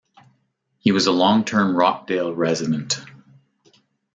He was a long-term Rockdale resident.